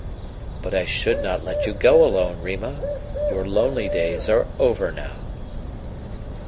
"But I should not let you go alone, Rima your lonely days are over now."